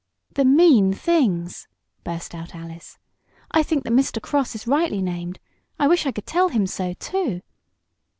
"The mean things!" burst out Alice "I think that Mr. Cross is rightly named. I wish I could tell him so, too!"